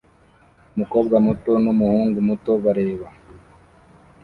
Umukobwa muto n'umuhungu muto bareba